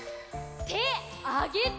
てあげて！